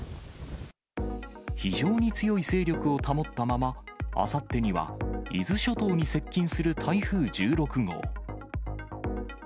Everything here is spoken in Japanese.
非常に強い勢力を保ったまま、あさってには伊豆諸島に接近する台風１６号。